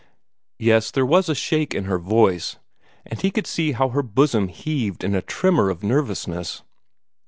Yes, there was a shake in her voice, and he could see how her bosom heaved in a tremor of nervousness.